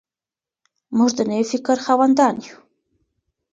موږ د نوي فکر خاوندان یو.